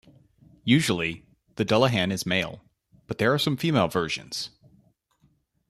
Usually, the Dullahan is male, but there are some female versions.